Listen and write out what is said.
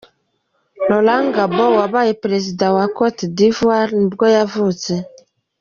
Laurent Gbagbo, wabaye perezida wa wa Cote D’ivoire nibwo yavutse.